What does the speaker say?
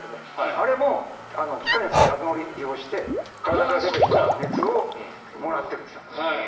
あれも気化熱の逆を利用して体から出てきた熱をもらってるんです。